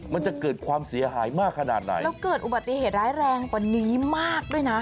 มันจะเกิดความเสียหายมากขนาดไหนแล้วเกิดอุบัติเหตุร้ายแรงกว่านี้มากด้วยนะ